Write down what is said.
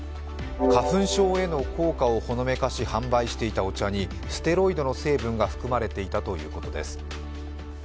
花粉症への効果をほのめかし販売していたお茶にステロイドの成分が含まれていたということです。